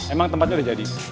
emang tempatnya udah jadi